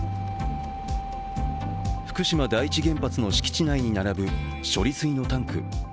福島第一原発の敷地内に並ぶ処理水のタンク。